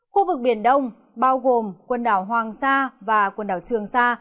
khu vực biển đông bao gồm quần đảo hoàng sa và quần đảo trường sa